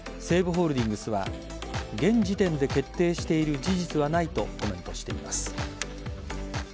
西武ホールディングスは現時点で決定している事実はないとコメントしています。